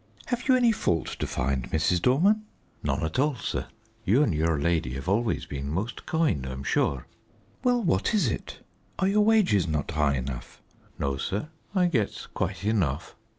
"Have you any fault to find, Mrs. Dorman?" "None at all, sir; you and your lady have always been most kind, I'm sure " "Well, what is it? Are your wages not high enough?" "No, sir, I gets quite enough."